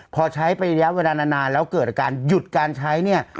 พอใช้เป็นระยะเวลานานแล้วเกิดอาการหยุดการใช้เนี่ย